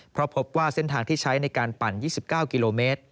เพราะพบว่าเส้นทางที่ใช้ในการปั่น๒๙กิโลเมตร